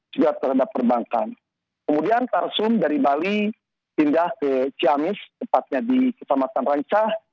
juga terhadap perbankan kemudian karsum dari bali pindah ke ciamis tepatnya di kecamatan rancah